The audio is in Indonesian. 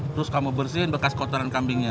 terus kamu bersihin bekas kotoran kambingnya